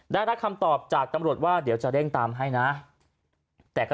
ได้รับคำตอบจากตำรวจว่าเดี๋ยวจะเร่งตามให้นะแต่ก็